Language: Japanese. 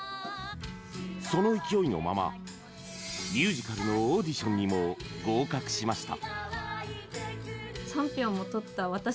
その勢いのまま、ミュージカルのオーディションにも合格しました。